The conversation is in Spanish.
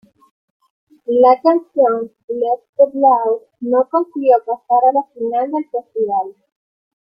La canción "Let's get loud", no consiguió pasar a la final del festival.